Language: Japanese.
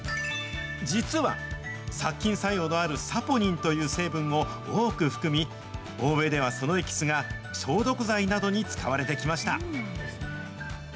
実は、殺菌作用のあるサポニンという成分を多く含み、欧米ではそのエキスが消毒剤などに使われてきました。